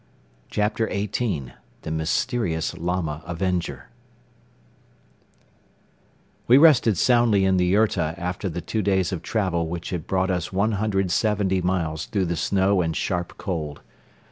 CHAPTER XVIII THE MYSTERIOUS LAMA AVENGER We rested soundly in the yurta after the two days of travel which had brought us one hundred seventy miles through the snow and sharp cold.